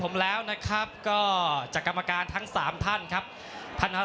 รอคะแนนจากอาจารย์สมาร์ทจันทร์คล้อยสักครู่หนึ่งนะครับ